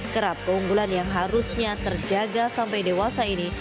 kerap keunggulan yang harusnya terjaga sampai dewasa ini